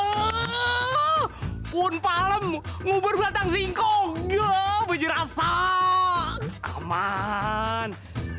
oh pun palem ngubur batang singkong ya berjurasa aman